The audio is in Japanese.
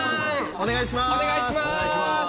お願いします。